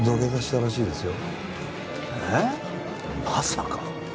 まさか。